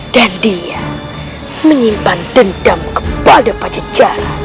dan dia menyimpan dendam kepada pacejaran